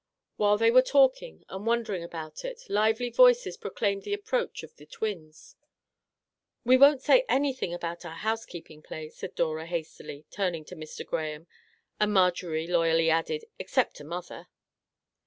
While they were talking and wondering about it, lively voices proclaimed the approach of the twins. " We won't say anything about our house keeping play," said Dora, hastily, turning to Mr. Graham, and Marjorie loyally added, " except to mother."